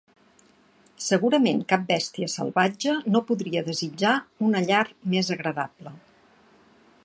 Segurament cap bèstia salvatge no podria desitjar una llar més agradable.